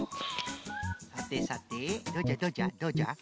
さてさてどうじゃどうじゃどうじゃ？